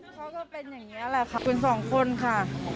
เขาก็เป็นอย่างนี้แหละค่ะเป็นสองคนค่ะ